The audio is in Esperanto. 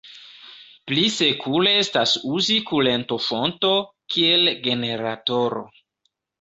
Pli sekure estas uzi kurento-fonto kiel generatoro.